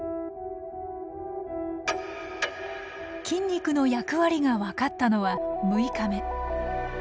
筋肉の役割が分かったのは６日目。